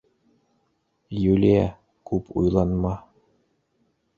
— Юлия, күп уйланма.